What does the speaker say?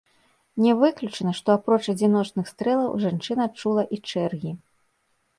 Не выключана, што апроч адзіночных стрэлаў, жанчына чула і чэргі.